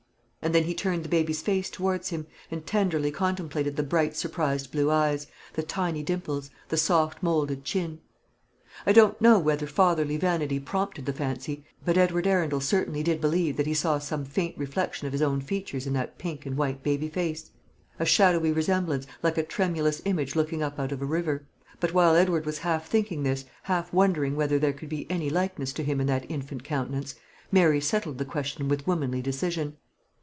And then he turned the baby's face towards him, and tenderly contemplated the bright surprised blue eyes, the tiny dimples, the soft moulded chin. I don't know whether fatherly vanity prompted the fancy, but Edward Arundel certainly did believe that he saw some faint reflection of his own features in that pink and white baby face; a shadowy resemblance, like a tremulous image looking up out of a river. But while Edward was half thinking this, half wondering whether there could be any likeness to him in that infant countenance, Mary settled the question with womanly decision.